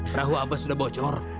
perahu abah sudah bocor